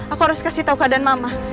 aku harus kasih tahu keadaan mama